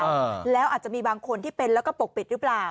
อ่าแล้วอาจจะมีบางคนที่เป็นแล้วก็ปกปิดหรือเปล่า